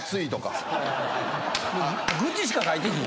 愚痴しか書いてへん。